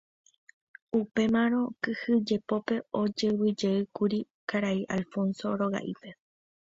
Upémarõ kyhyjepópe ojevyjeýkuri karai Alfonso roga'ípe.